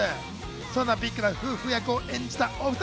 そんなビッグな夫婦役を演じたお２人。